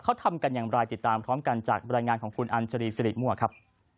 กลายติดตามพร้อมกันจากบรรยายงานของคุณอัญชรีศรีมั่วครับ